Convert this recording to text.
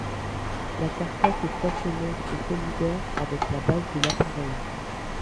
La carcasse est stationnaire et solidaire avec la base de l'appareil.